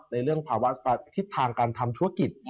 ในเรื่องภาวะทิศทางการทำธุรกิจ